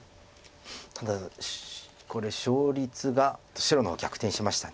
ただこれ勝率が白の方が逆転しました。